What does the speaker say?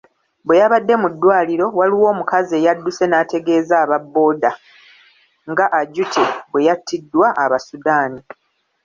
Bwe yabadde mu ddwaliro, waliwo omukazi eyadduse n'ategeeza aba Bbooda nga Ajute bwe y'attiddwa Abasudani.